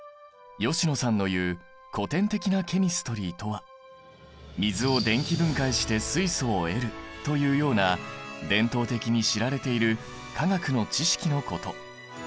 吉野さんの言う古典的なケミストリーとは水を電気分解して水素を得るというような伝統的に知られている化学の知識のこと。